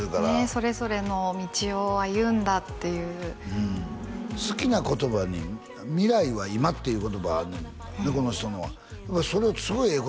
それぞれの道を歩んだっていう好きな言葉に「未来は今」っていう言葉があんねんねっこの人のはそれすごいええ